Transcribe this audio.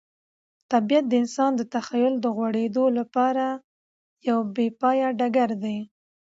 طبیعت د انسان د تخیل د غوړېدو لپاره یو بې پایه ډګر دی.